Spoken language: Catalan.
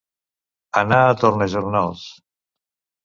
Anar a tornajornals.